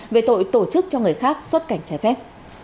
về tội tổ chức cho người khác xuất cảnh trái phép